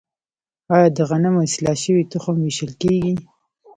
آیا د غنمو اصلاح شوی تخم ویشل کیږي؟